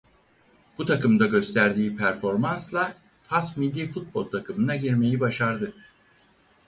Bu takımda gösterdiği performansla Fas millî futbol takımına girmeyi başardı.